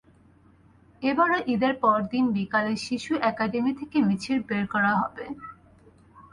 এবারও ঈদের পরদিন বিকালে শিশু একাডেমী থেকে মিছিল বের করা হবে।